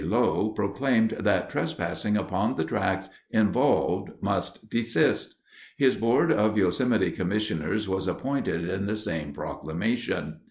Low proclaimed that trespassing upon the tracts involved must desist. His board of Yosemite commissioners was appointed in the same proclamation.